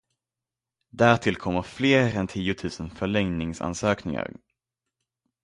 Därtill kommer fler än tiotusen förlängningsansökningar.